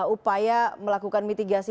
upaya melakukan mitigasi